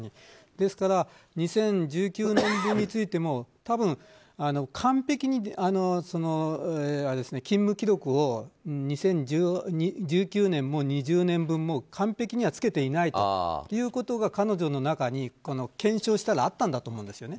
ですから２０１９年分についても多分、完璧に勤務記録を２０１９年も２０年分も完璧にはつけていないということが彼女の中に検証したらあったんだと思うんですね。